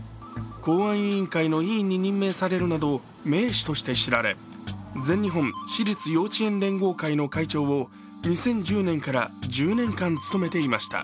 公安委員会の委員に任命されるなど名士として知られ全日本私立幼稚園連合会の会長を２０１０年から１０年間務めていました。